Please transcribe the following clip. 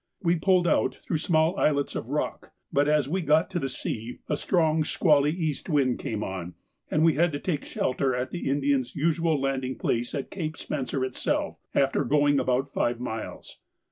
We pulled out through small islets of rock, but as we got to sea a strong squally east wind came on, and we had to take shelter at the Indians' usual landing place at Cape Spencer itself, after going about five miles.